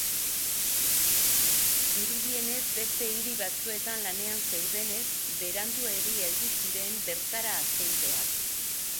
Dirudienez, beste hiri batzuetan lanean zeudenez, beranduegi heldu ziren bertara agenteak.